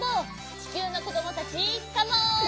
ちきゅうのこどもたちカモン！